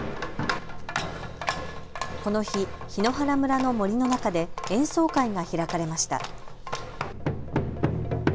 この日、檜原村の森の中で演奏会が開かれました。